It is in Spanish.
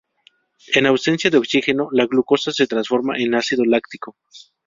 En ausencia de oxígeno, la glucosa se transforma en ácido láctico.